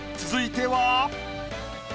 続いては。